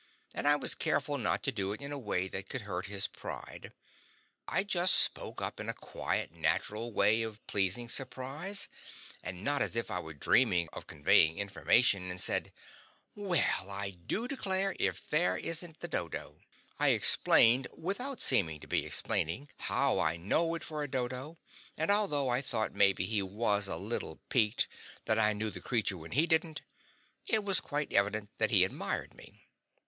And I was careful not to do it in a way that could hurt his pride. I just spoke up in a quite natural way of pleasing surprise, and not as if I was dreaming of conveying information, and said, "Well, I do declare, if there isn't the dodo!" I explained without seeming to be explaining how I know it for a dodo, and although I thought maybe he was a little piqued that I knew the creature when he didn't, it was quite evident that he admired me.